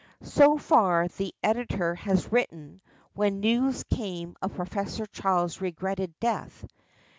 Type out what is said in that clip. So far the Editor had written, when news came of Professor Child's regretted death.